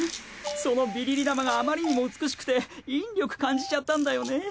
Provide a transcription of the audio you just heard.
そのビリリダマがあまりにも美しくて引力感じちゃったんだよね。